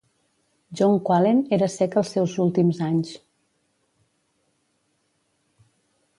John Qualen era cec als seus últims anys.